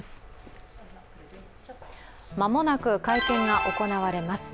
間もなく会見が行われます。